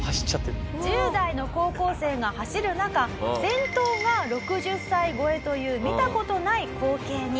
「１０代の高校生が走る中先頭が６０歳超えという見た事ない光景に」